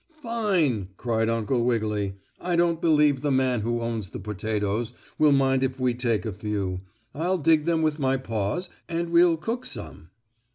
"Fine!" cried Uncle Wiggily. "I don't believe the man who owns the potatoes will mind if we take a few. I'll dig them with my paws, and we'll cook some."